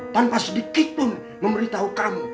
tanpa sedikit pun memberitahu kamu